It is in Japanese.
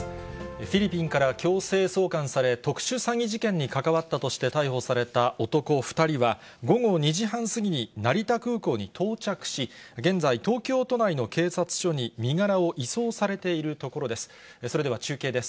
フィリピンから強制送還され、特殊詐欺事件に関わったとして逮捕された男２人は、午後２時半過ぎに成田空港に到着し、現在、東京都内の警察署に身柄を移送されているところです。